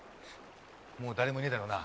もう誰もいねえだろうな？